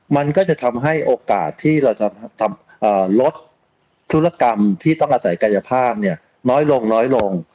มันก็จะทำให้โอกาสที่เราจะลดธุรกรรมที่ต้องอาศัยกายภาพเนี่ยน้อยลงน้อยลง